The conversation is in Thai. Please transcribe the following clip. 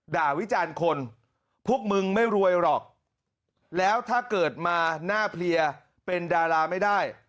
วิจารณ์คนพวกมึงไม่รวยหรอกแล้วถ้าเกิดมาหน้าเพลียเป็นดาราไม่ได้